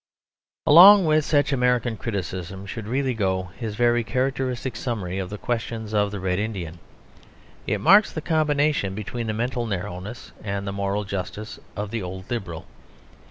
Along with such American criticism should really go his very characteristic summary of the question of the Red Indian. It marks the combination between the mental narrowness and the moral justice of the old Liberal.